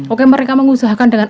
oke mereka mengusahakan dengan